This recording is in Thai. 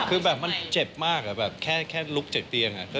คือแบบมันเจ็บมากแบบแค่ลุกจากเตียง